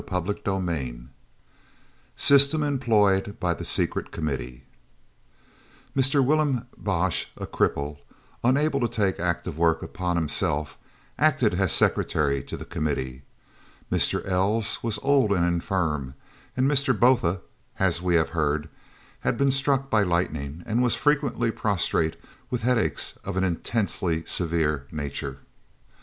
CHAPTER XXIII SYSTEM EMPLOYED BY THE SECRET COMMITTEE Mr. Willem Bosch, a cripple, unable to take active work upon himself, acted as Secretary to the Committee, Mr. Els was old and infirm, and Mr. Botha, as we have heard, had been struck by lightning and was frequently prostrate with headaches of an intensely severe nature.